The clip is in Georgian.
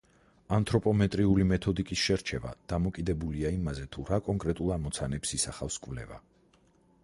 ანთროპომეტრიული მეთოდიკის შერჩევა დამოკიდებულია იმაზე, თუ რა კონკრეტულ ამოცანებს ისახავს კვლევა.